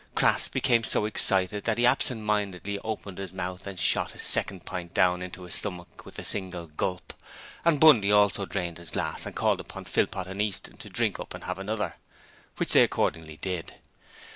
Crass became so excited that he absentmindedly opened his mouth and shot his second pint down into his stomach with a single gulp, and Bundy also drained his glass and called upon Philpot and Easton to drink up and have another, which they accordingly did.